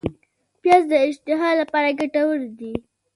پیاز د اشتها لپاره ګټور دی